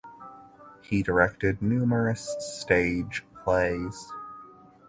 He directed numerous stage plays.